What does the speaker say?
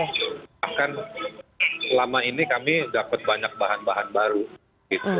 bahkan selama ini kami dapat banyak bahan bahan baru gitu